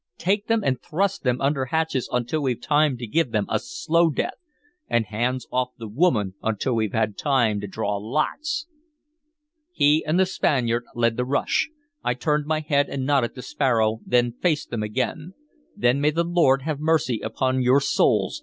Take them and thrust them under hatches until we've time to give them a slow death! And hands off the woman until we've time to draw lots!" He and the Spaniard led the rush. I turned my head and nodded to Sparrow, then faced them again. "Then may the Lord have mercy upon your souls!"